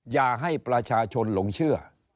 อย่าให้ประชาชนหลงเชื่อ